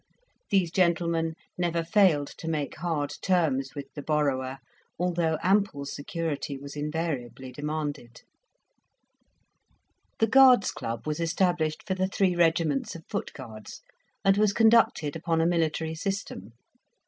These gentlemen never failed to make hard terms with the borrower, although ample security was invariably demanded. The Guards' Club was established for the three regiments of Foot Guards, and was conducted upon a military system.